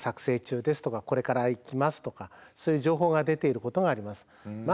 「これから行きます」とかそういう情報が出ていることがあります。